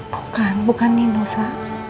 bukan bukan nino sa